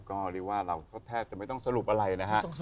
ก็เรียกว่าเราก็แทบจะไม่ต้องสรุปอะไรนะฮะ